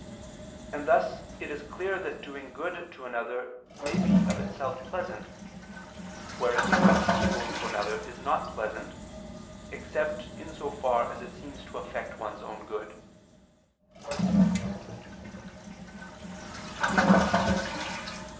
And thus it is clear that doing good to another may be of itself pleasant: whereas doing evil to another is not pleasant, except in so far as it seems to affect one's own good.